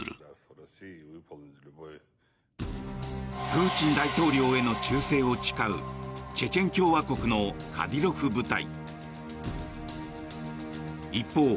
プーチン大統領への忠誠を誓うチェチェン共和国のカディロフ部隊。